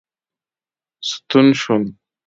ستون شول.